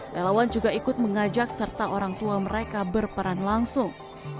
relawan juga ikut mengajak serta orang tua mereka berperan langsung